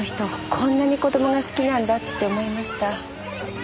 こんなに子供が好きなんだって思いました。